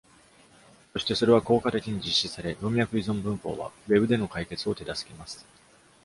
そして、それは効果的に実施され、文脈依存文法はウェブでの解決を手助けます。